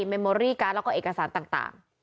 เมมโอรี่การ์ดแล้วก็เอกสารต่าง